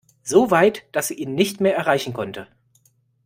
So weit, dass sie ihn nicht mehr erreichen konnte.